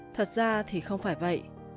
thật ra thì không phải vậy